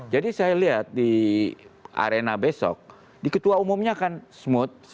jadi saya lihat di arena besok di ketua umumnya kan smooth